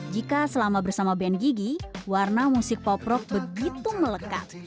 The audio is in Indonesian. jika selama bersama band gigi warna musik pop rock begitu melekat